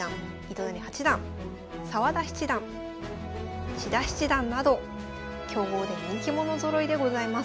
糸谷八段澤田七段千田七段など強豪で人気者ぞろいでございます。